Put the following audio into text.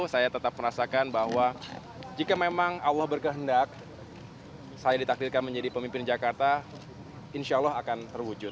saya tetap merasakan bahwa jika memang allah berkehendak saya ditakdirkan menjadi pemimpin jakarta insya allah akan terwujud